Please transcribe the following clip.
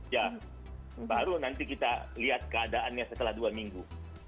ya baru nanti kita lihat keadaannya setelah dua minggu